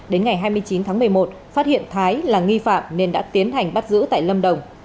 đến ngày hai mươi chín tháng một mươi một phát hiện thái là nghi phạm nên đã tiến hành bắt giữ tại lâm đồng